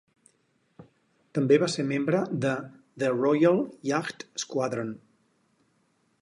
També va ser membre de The Royal Yacht Squadron.